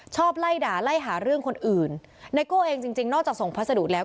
ไล่ด่าไล่หาเรื่องคนอื่นไนโก้เองจริงจริงนอกจากส่งพัสดุแล้ว